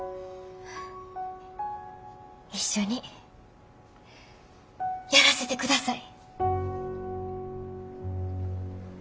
一緒にやらせてください。